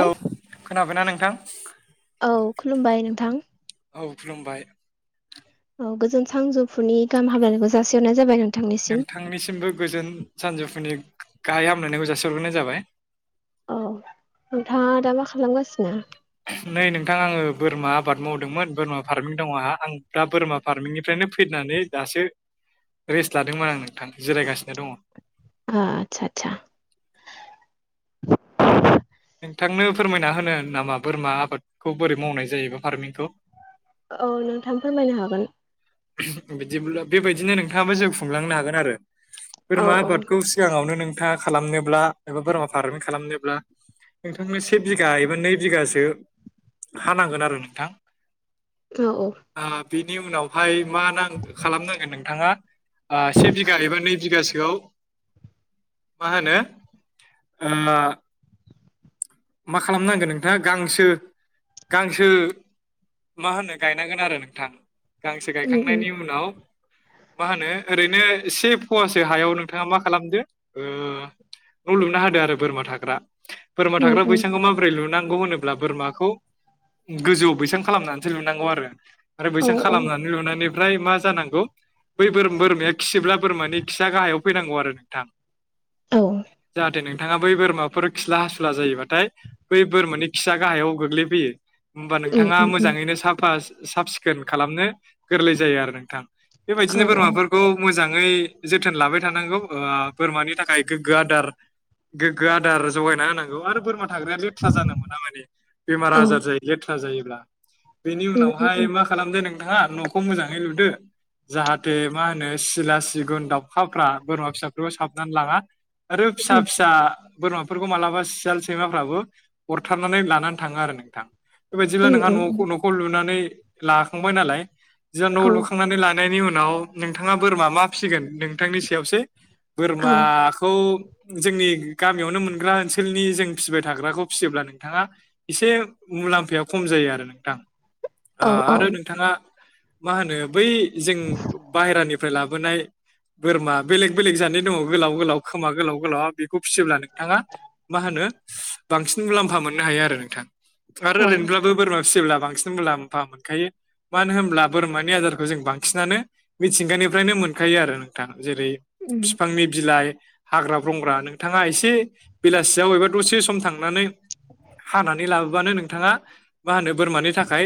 औ औे खोनाबायना नोंथां? औ खुलुमबाय नोंथां औ खुलुमबाय। औ गोजोन सांजो फुनि गाहाम हामलायनायखौ जासिहरनाय जाबाय नोंथांनिसिम। नोंथांनिसिमबो गोजोन सानजौफुनि गाहाय हामलायनायखौ जासि हरग्रोनाय जाबाय। औ नोंथाङा दा मा खालामगासिनो? नै नोंथां आङो बोरमा आबाद मावदोंमोन बोरमा फार्मिं दङ आंहा आं दा बोरमा फार्मिंनिफ्राय नो फैनानै दासो रेस्ट लादोंमोन आं नोंथां जिरायगासिनो दङ। आ आदसा आदसा। नोंथांनो फोरमायना होनो नामा बोरमा आबादखौ बोरै मावनाय जायोबा फार्मिंखौ? औ नोंथां फोरमायनो हागोन। बिदिब्ला बेबायदिनो नोंथाङाबो जिउ खुंलांनो हागोन आरो औ बोरमा औ आबादखौ सिगाङावनो नों का खालामनोब्ला एबा बोरमा फारमिं खालामनोब्ला नोंथांनो से बिघा एबा नै बिगासो हानांगोन आरो नोंथां। औ। बिनि उनावहाय मा नां खालामनांगोन नोंथाङा। ओ से बिघा एबा नै बिघासोआव मा होनो ओ। मा खालामनांगोन नोंथाङा गांसो गांसो मा होनो गायनांगोन आरो नोंथां गांसे उम उम गायखांनायनि उनाव मा होनो? ओरैनो इसे फुवासे हायाव नोंथाङा मा खालामदो ओ। न' लुना होदो आरो बोरमा थाग्रा। बोरमा उम थाग्रा उम बैसांखौ माबोरै लुनांगौ होनोब्ला बोरमाखौ गोजौआव बैसां खालामनानैसो लुनांगौ आरो आरो औ बैसां औ खालामनानै लुनानै ओमफ्राय मा जानांगौ बै बोर-बोरमाया खियोब्ला बोरमानि खिया गाहायाव फैनांगौ आरो नोंथां। औ जार। दो नोंथाङा बै बोरमाफोर खिला हासुला जायोबाथाय बै बोरमानि खिआ गाहायाव गोग्लैफैयो। होमबा उम नोंथाङा उम उम मोजाङैनो साफा साफ सिखोन खालामनो गोरलै जायो आरो नोंथां। बेबायदिनो औ औ बोरमाफोरखौ मोजां। ङै जोथोन लाबाय थानांगौ ओ बोरमानि थाखाय गोग्गो आदार। गोग्गो आदार जगायना होनां। गौ आरो बोरमा थाग्राया लेथ्रा जानो मोना माने बेमार औ आजार जायो लेथ्रा जायोब्ला। बेनि उम उम उम उनावहाय मा खालामदो नोंथाङा न'खौ मोजाङै लुदो। जाहाथे मा होनो सिला सिगुन दावउखाफ्रा बोरमा फिसाफोरखौ साबनानै लाङा। आरो फिसा उम फिसा। बोरमाफोरखौ मालाबा सियाल सैमाफ्राबो अरथारनानै लानानै थाङो आरो नोंथां। बेबायदिब्ला उम नोंहा उम न' उम न'खौ लुनानै लाखांबाय नालाय जा न'आव औ लुखांनानै लान। नायनि उनाव नोंथाङा बोरमा मा फिसिगोन नोंथांनि सायावसो औ बोरमाखौ। जोंनि गामियावनो मोनग्रा ओनसोलनि जों फिसिबाय थाग्राखौ फिसियोब्ला नोंथाङा इसे। मुलाम्फाया खम जायो आरो नोंथां। ओ औ आरो नोंथाङा मा होनो बै जों बाहेरानिफ्राय लाबोनाय। बोरमा बेलेग बेलेग जादनि दङ गोलाव गोलाव खोमा गोलाव गोलाव बेखौ फिसियोब्ला नोंथाङा मा होनो। हो बांसिन मुलाम्फा मोननो हायो आरो नोंथां आरो औ ओरैनोब्लाबो बोरमा फिसियोब्ला बांसिन मुलाम। फा मोनखायो। मानो होनब्ला बोरमानि आदारखौ जों बांसिनानो मिथिंगानिफ्रायनो मोनखायो आरो नोंथाङा। जेरै उम बफफांनि बिलाइ। हाग्रा ब्रंग्रा नोंथाङा एसे बेलासियाव एबा दसे सम थांनानै। हानानै लाबोबानो नोंथाङा मा होनो बोरमानि थाखाय।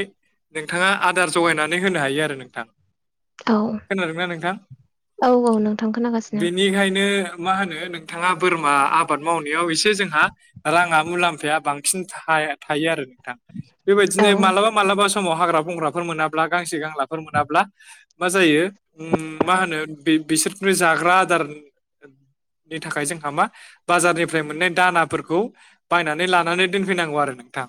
नोंथाङा आदार जगायनानै होनो हायो आरो नोंथां। औ खोनादोंना नोंथां औ औ नोंथां खोनागासिनो बेनिखायनो। मा होनो नोंथाङा बोरमा आबाद मावनायाव एसे जोंहा राङा मुलामफाया बांसिन था थायो आरो नोंथां औ बेबायदिनो माब्लाबा माब्लाबा समाव हाग्रा बंग्राफोर मोनाब्ला गांसे गांलाफोर मोनाब्ला मा जायो ओम मा होनो बे बिसोरनिनो जाग्रा आदार नि थाखाय जोंहा मा बाजारनिफ्राय मोननाय दानाफोरखौ बायनानै लानानै दोनफैनांगौ आरो नों थां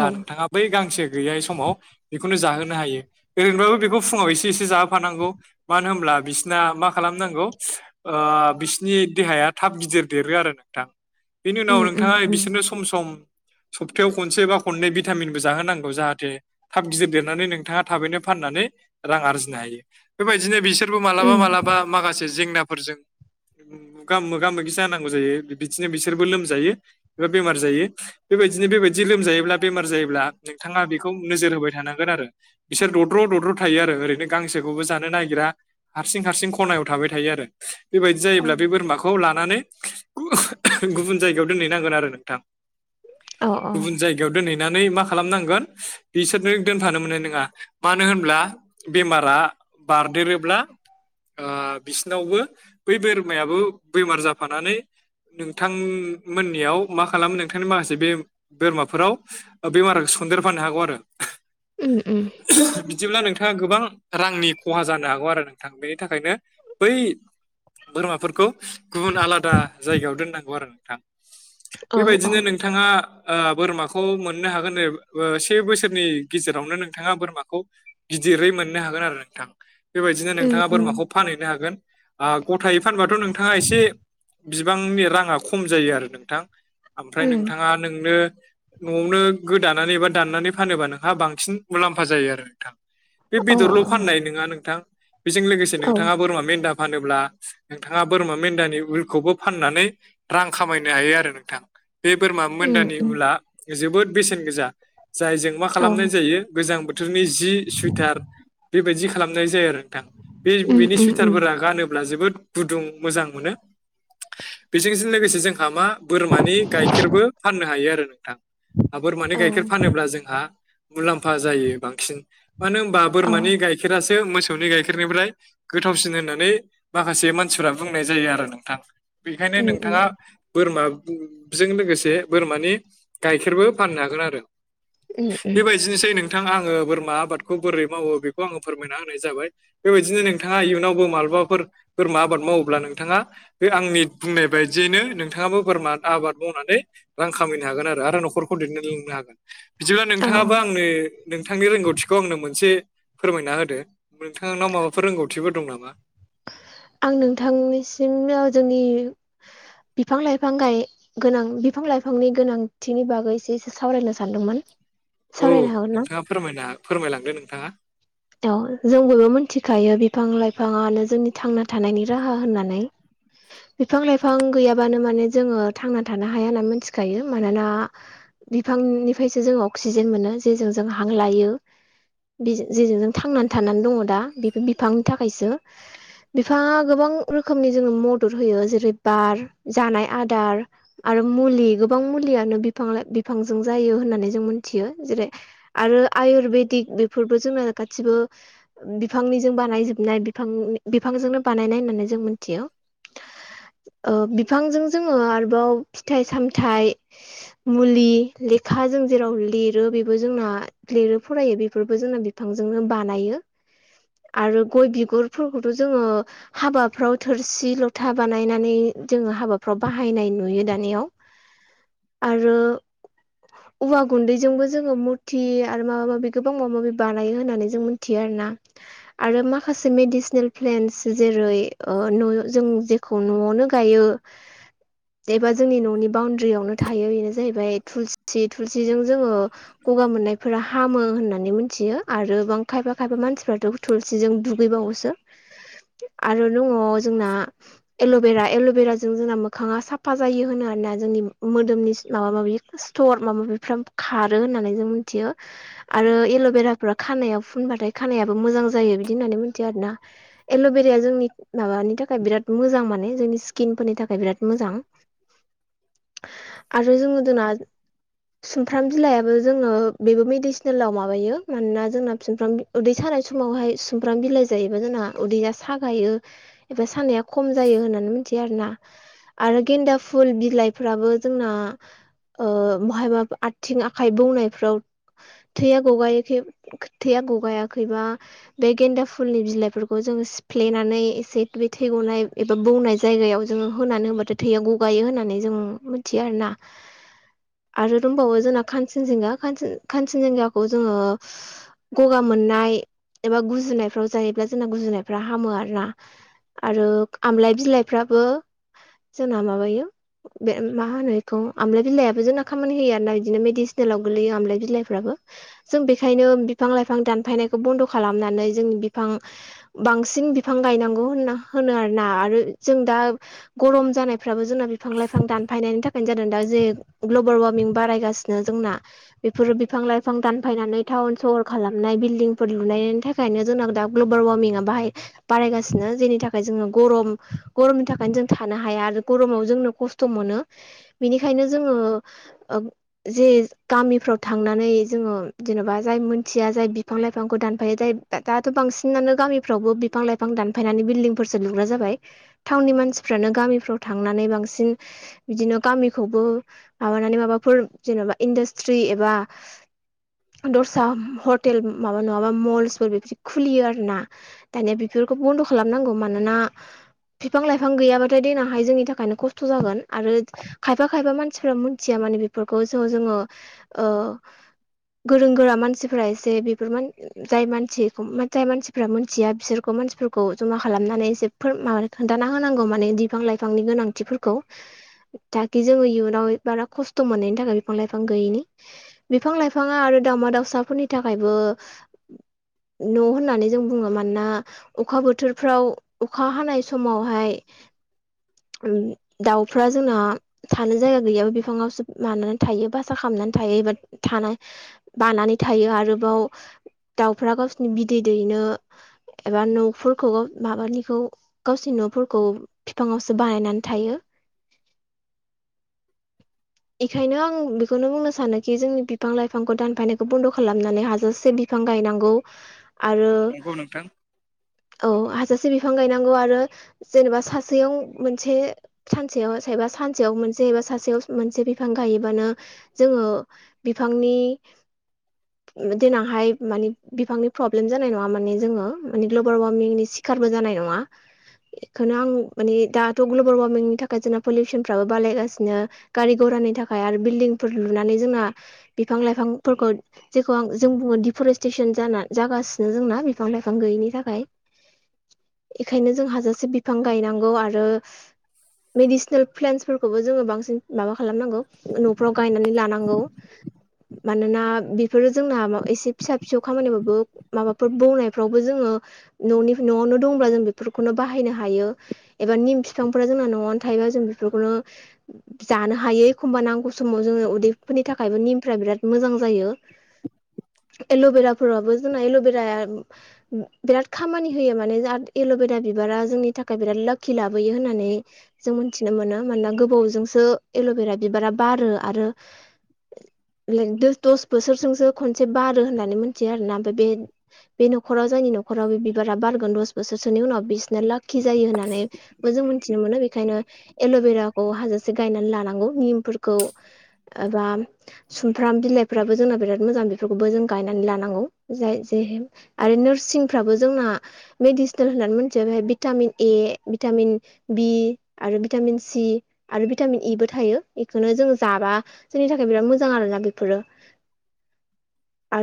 औ नोंथाङा बै गांसे गैयै समाव बेखौनो जाहोनो हायो ओरैनोबाबो बेखौ फुङाव एसे एसे जाहोफानांगौ मानो होनब्ला बिसना मा खालामनांगौ ओ बिसनि देहाया थाब गिदिर देरो आरो नोंथां बेनि उनाव उम उम नोंथाङा उम बिसोरनो सम सम सप्थायायाव खनसे बा खननै भिटामिनबो जाहोनां गौ जाहाथे थाब गिदिर देरनानै नोंथाङा थाबैनो फाननानै रां आरजिनो हायो बेबायदिनो बिसोर फोरबो मालाबा उम मालाबा माखासे जेंनाफोरजों मोगा मोगा मोगि जानांगौ जायो बिदिनो बिसोरबो लोमजायो एबा बेमार जायो बेबायदिनो बेबायदि लोमजायोब्ला बेमार जायोब्ला नोंथाङा बेखौ नोजोर होबाय थानांगोन आरो बिसोर दद्र' दद्र' थायो आरो ओरैनो गांसोखौबो जानो नागिरा या हारसिं हारसिं खनायाव थाबाय थायो आरो बेबायदि औ जायोब्ला बे बोरमाखौ लानानै गुबुन जायगायाव दोनहैनांगोन आरो नोंथां औ औ गुबुन जायगायाव दोनहैनानै मा खालामनांगोन बिसोरनो दोनफानो मोननाय नङा मानो होनब्ला बेमारा बार देरोब्ला आ बिसिनावबो बै बोरमायाबो बेमार जाफानानै नोंथां मोननियाव मा खालामो नोंथांनि माखासे बे बोरमाफोराव बेमार सनदेर फानो हागौ आरो उम उम बिदिब्ला नोंथां नोंथाङा गोबां रांनि खहा जानो हागौ आरो नोंथां बेनि थाखायनो बै बोरमाफोरखौ गुबुन आलादा जायगायाव दोननांगौ आरो नोंथां औ औ बेबायदिनो नोंथाङा ओ बोरमाखौ मोननो हागोन। से बोसोरनि गेजेरावनो नोंथाङा बोरमाखौ गिदिरै मोननो हागोन आरो नोंथां। बेबायदिनो नोंथाङा बोरमाखौ फानहैनो हागोन ओ गथायै फानबाथ' नोंथाङा एसे बिबांनि राङा खम जायो आरो नोंथां ओमफ्राय नोंथाङा नोंनो न'आवनो गोदानानै एबा दाननानै फानोबा नोंहा बांसिन मुलामफा जायो आरो नोंथां। बे बेदरल' फाननाय नङा नोंथां बेजों लोगोसे नोंथाङा बोरमा मेनदा फानोब्ला नोंथाङा बोरमा मेनदानि उलखौबो फाननानै रां खामायनो हायो आरो नोंथां। बे बोरमा मोनदानि उला जोबोद बेसेन गोसा। जायजों मा खालामनाय जायो गोजां बोथोरनि जि सुइथार बेबायदि खालामनाय जायो आरो नोंथां बे बेनि सुइटारफोरा गानोब्ला जोबोद गुदुं मोजां मोनो बेजोंजों लोगोसे जोंहा मा बोरमानि गाइखेरबो फाननो हायो आरो नोंथां बोरमानि गाइखेर फानोब्ला जोंहा मुलामफा जायो बांसिन मानो होनबा बोरमानि गाइखेरासो से मोसौनि गाइखेरनिफ्राय गोथावसिन होननानै माखासे मानसिफ्रा बुंनाय जायो आरो नोंथां‌। बेखायनो नोंथाङा बोरमा जों लोगोसे बोरमानि गाइखेरबो फाननो हागोन आरो। बेबायदिनोसै नों नोंथां आङो बोरमा आबादखौ बोरै मावो बेखौ आङो फोरमायना होनाय जाबाय बेबायदिनो नोंथाङा इयुनावबो माल माफोर बोरमा आबाद मावोब्ला नोंथाङा बे आंनि बुंनाय बायदियैनो नोंथाङाबो बोरमा आबाद मावनानै रां खामायनो हागोन आरो न'खरखौ दैदेन लांनो हागोन। बिदिब्ला नोंथाङाबो आंनो नोंथांनि रोंगौथिखौ आंनो मोनसे फोरमायना होदो। नोंथांनाव माबाफोर रोंगौथिबो दं नामा? आं नोंथांनिसिम जोंनि बिफां लाइफां गाय गोनां बिफां लाइफांनि गोनांथिनि बागै एसे एसे सावरायनो सानदोंमोन। औ सावरायनो हागोन ना नोंथाङा फोरमना फोरमायलांदो नोंथाङा। औ जों बयबो मोनथिखायो बिफां लाइफाङानो जोंनि थांना थानायनि राहा होननानै। बिफां लाइफां गैयाबानो माने जोङो थांना थानो हाया होनना मोनथिखायो मानोना बिफांनिफ्रायसो जों अक्सिजेन मोनो जेजों जों हां लायो बि जेजों नों थांनानै थानानै दङ दा बेफोर बिफांनि थाखायसो बिफाङा गोबां रोखोमनि जोङो मदद होयो जेरै बार जानाय आदार आरो मुलि गोबां मुलियानो बिफां लाइफां बिफांजों जायो होननानै जों मिथियो जेरै आरो आयुरवेदिक बेफोरबो जोङो गासिबो बिफांनिजों बानायजोबनाय बिफां बिफांजोंनो बानायनाय होननानै जों मोन थियो ओ बिफांजों जोङो आरोबाव फिथाइ सामथाय मुलि लेखा जों जेराव लिरो बेबो जोंना लिरो फरायो बेफोरबो जोंना बिफांजोंनो बानायो। आरो गय बिगुरफोरखौथ' जोङो हाबाफ्राव थोरसि ल'था बानायनानै जोङो हाबाफ्राव बाहायनाय नुयो दानियाव आरो औवा गुनदैजोंबो जोङो मुरथि आरो माबा माबि गोबां माबा माबि बानायो होननानै जों मिथियो आरोना आरो माखासे मेडिसिनेल प्लेन्स जेरै ओ न' जों जेखौ न'आवनो गायो। एबा जोंनि न'नि बाउणड्रियावनो थायो बेनो जाहैबाय थुलसि थुलसिजों जोङो ग'गा मोननायफोरा हामो होननानै मिथियो आरोबां खायफा खायफा मानसिफ्राथ' थुलसिजों दुगैबावोसो। आरो दङ जोंना एल'बेरा एल'भेराजों जोंना मोखाङा साफा जायो होनो आरोना जोंनि मोदोमनि माबा माबि सिथर माबा माबि फोरा खारो होननानै जों मिथियो। आरो एल' बेराफोरा खानायाव फुनबाथाय खानायाबो मोजां जायो बिदि होननानै मिथियो आरोना एल'बेराया जोंनि माबानि थाखाय बिराद मोजां माने जोंनि स्किन फोरनि थाखाय बिराद मोजां। आरो जोङो जोंना सुमफ्राम बिलायाबो जोङो बेबो मेडिसिनेलाव माबायो मानोना जोंना सुमफ्राम उदै सानाय समावहाय सुमफ्राम बिलाइ जायोबा जोंना उदैया सागायो एबा साननाया खम जायो होननानै मिथियो आरोना आरो गेनदा फुल बिलाइफोराबो जोंना ओ बहाबा आथिं आखाइ बौनायफ्राव थैया गगायो थै थैया गगायाखैबा बे गेनदा फुलनि बिलाइफोरखौ जों सिफ्लेनानै से बे थै ग'नाय एबा बौनाय जायगायाव जोङो होनानै होनबाथाय थैया गगायो होननानै जों मिथियो आ रोना आरो दंबावो जोंना खानसिन जिंगा खानसिन जिंगाखौ जोङो गगा मोननाय एबा गुजुनायफ्राव जायोब्ला जोंना गुजुनायफ्रा हामो आरोना आरो आमलाय बिलाइफ्राबो जोंना माबायो बे मा होनो बेखौ आमलाय बिलाइयो जोंना खामानि होयो आरोना बिदिनो मेडिसिनेलाव गोलैयो आमलाय बिलाइफ्राबो जों बे बेनिखायनो बिफां लाइफां दानफायनायखौ बनद' खालामनानै जोंनि बिफां बांसिन बिफां गायनांगौ होनो आरोना आरो जों दा गरम जानायफ्राबो जोंना बिफां लाइफां दानफायनायनि थाखाय दा जे ग्लबेल वारमिं बारायगासिनो जोंना बेफोर बिफां लाइफां दानफायनानै टाउन सहर खालामनाय बिल्डिंफोर लुनायनि थाखायनो जोंना दा ग्लबेल वार्मिंया बाहाय बारायगासिनो जेनि थाखाय जोङो गरम गरमनि थाखायनो जों थानो हाया आरो गरमाव जोंनो खसथ' मोनो बिनिखायनो जोङो ओ जे गामिफ्राव थांनानै जोङो जेन'बा जाय मोनथिया जाय बिफां लाइफांखौ दानफायो जाय दाथ' बांसिनानो गामिफ्रावबो बिफां लाइफां दान फायनानै बिलदिंफोरसो लुग्रा जाबाय टाउननि मानसिफोरानो गामिफोराव थांनानै बांसिन बिदि बिदिनो गामिखौबो माबानानै माबाफोर जेन'बा इडासत्रि एबा दस्रा हटेल माबा नङाबा मल्सफोर बेबायदि खुलियो आरोना दानिया बेफोरखौ बनद' खालामनांगौ मानोना बिफां लाइफां गैयाबाथाय देनांहाय जोंनि थाखायनो खसथ' जागोन आरो खायफा खायफा मानसिफोरा मोनथिया माने बेफोरखौ स' जोङो ओ गोरों गोरा मानसिफोरा एसे बेफोर जाय मानसिखौ जाय मानसिफ्रा मिनथिया बिसोरखौ मानसि फोरखौ जमा खालामनानै एसे फोर माबा खोन्थाना होनांगौ माने बिफां लाइफांनि गोनांथिफोरखौ जाहाथे जोङो इयुनाव बारा खस्थ' मोननायनि थाखाय बिफां लाइफां गैयिनि बिफां लाइफां बिफाङा आरो दावमा दाउसाफोरनि थाखायबो न' होननानै जों बुङो मानोना अखा बोथोरफ्राव अखा हानाय समावहाय [inaudible] उम दाउफ्रा जोंना थानो जायगा गैयाबा बिफाङावसो मानानै थायो बासा खालाम नानै थायो बा थानाय बानानै थायो आरोबाव दाउफ्रा गावसिनि बिदै दैनो एबा न'फोरखौबो माबानिखौ गावसिनि न'फोरखौ बिफाङावसो बानायनानै थायो। इखायनो आं बेखौनो बुंनो सानोखि जोंनि बिफां लाइफांखौ दानफायनायखौ बन्द' खालामनानै हाजासे बिफां गायनांगौ। आरो नंगौ नोंथां औ जासे बिफां गायनांगौ आरो जेनेबा सासेयाव मोनसे सानसेयाव एबा सानसेयाव जेनेबा सासेयाव मोनसे बिफां गायोबानो जोङो बिफांनि देनांहाय माने बिफांनि प्रब्लेम जानाय नङा माने जोङो माने ग्लबाल वार्मंनि सिखा रबो जानाय नङा। इखोनो आं माने दाथ' ग्लबेल वार्मिंनि थाखाय जोंना पलिउसनफ्राबो बालायगासिनो गारि- गुरा फोरनि थाखाय आरो बिल्डिंफोर लुनानै जोंना बिफां लाइफांफोरखौ जेखौ आं जों बुङो डिफरेस्टेसन जाना जागासिनो जोंना बिफां लाइ फां गैयिनि थाखाय। एखायनो जों हाजासे बिफां गायनांगौ आरो मेडिसिनेल प्लेेनसफोरखौबो जोङो बांसिन माबा खालामनांगौ न'फ्राव गायनानै लानांगौ। [inaudible] मानोना बेफोरो जोंना एसे फिसा फिसौ खामानिबाबो माबाफोर बौनायफ्रावबो जोङो न'आवनो दंब्ला जों बेफोरखौनो बाहायनो हायो एबा निम बिफांफोरा जोंना न'आवनो थायो जों बेफोरखौनो जानो हायो एखमबा नांगौ समाव जोङो उदैफोरनि थाखाय खायबो निमफोरा बिराद मोजां जायो। एल'बेराफोराबो जोंना एल'बेराया बिराद खामानि होयो माने एल'बेरा बिबारा जोंनि थाखाय बिराद लाखि लाबोयो होननानै जों मोन्थिनो मोनो मानोना गोबावजोंसो एल'बेरा बिबारा बारो आरो लाइक दस बोसोरजोंसो खनसे बारो होननानै मिथियो आरो ना ओमफ्राय बे बे न'खराव जायनि नख'र न'खराव बे बिबारा बारगोन दस बोसोरसोनि उनाव बिसोरना लाखि जायो होननानैबो जों मोनथिनो मोनो बेखायनो एल'बेराखौ हाजासे गायनानै लानांगौ निमफोरखौ एबा सुमफ्राम बिलाइफ्राबो जोंना बिराद मोजां बेफोरखौबो जों गायनानै लानांगौ जाय जे आरो नोरसिंफ्राबो जोंना मेडिसिनेल होननानै मिनथिया बेहाय भिटामिन ए भिटामिन बि आरो भिटामिन सि आरो भिटामिन इ बो थायो। इखौनो जों जाबा जोंनि थाखाय बिराद मोजां आरोना बेफोरो आरो